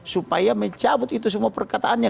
supaya mencabut itu semua perkataannya